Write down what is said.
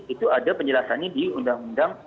itu ada penjelasannya di undang undang